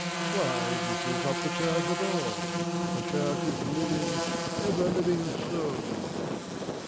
Why this is not the church at all the church is living, ever living souls.")